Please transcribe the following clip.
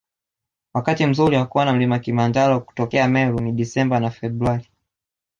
Wakati mzuri wa kuona mlima Kilimanjaro kutokea Meru ni Desemba na Februari